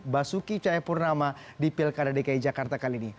basuki cahayapurnama di pilkada dki jakarta kali ini